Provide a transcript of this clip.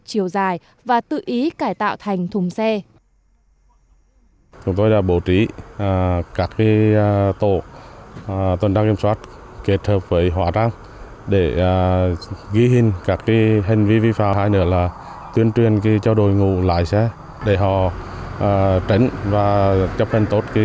chiều dài và tự ý cải tạo thành thùng xe